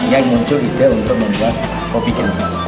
yang muncul ide untuk membuat kopi kena